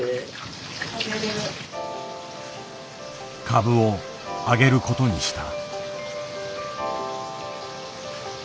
カブを揚げることにした。